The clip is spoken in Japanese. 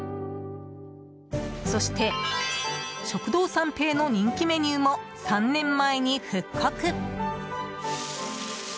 そして食堂三平の人気メニューも３年前に復刻。